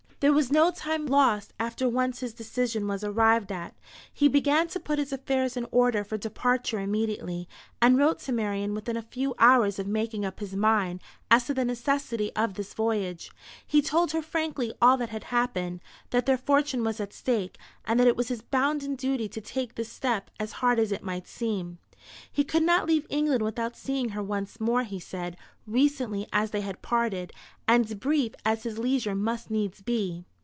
There was no time lost after once his decision was arrived at. He began to put his affairs in order for departure immediately, and wrote to Marian within a few hours of making up his mind as to the necessity of this voyage. He told her frankly all that had happened, that their fortune was at stake, and that it was his bounden duty to take this step, hard as it might seem to him. He could not leave England without seeing her once more, he said, recently as they had parted, and brief as his leisure must needs be.